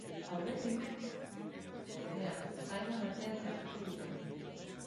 Aurretik, ordea, haima batean sartuko dira.